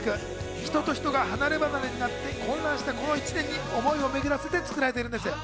人と人とが離れ離れになって混乱したこの１年に思いをめぐらせて作られています。